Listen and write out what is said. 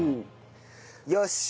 よし！